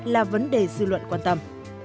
là vấn đề dư luận quan tâm